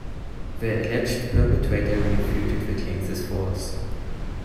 The alleged perpetrator refuted the claims as false.